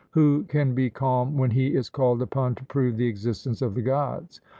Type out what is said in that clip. Who can be calm when he is called upon to prove the existence of the Gods?